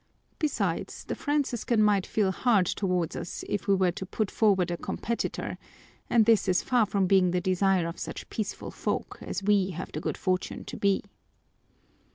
Besides, the Franciscan might feel hard toward us if we were to put forward a competitor, and this is far from being the desire of such peaceful folk as we have the good fortune to be.